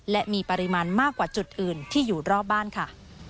และมีปริมาณมากกว่าจุดอื่นที่อยู่รอบบ้านค่ะ